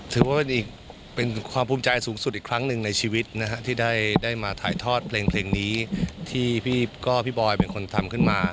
ถือว่าเป็นความภูมิใจสูงสุดอีกครั้งหนึ่งในชีวิตนะฮะที่ได้มาถ่ายทอดเพลงนี้ที่พี่บอยเป็นคนทำขึ้นมา